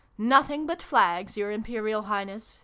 " Nothing but flags, Your Imperial Highness!